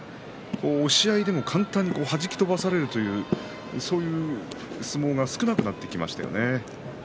押し合いでも簡単にはじき飛ばされたというそういう相撲が少なくなってきましたよね。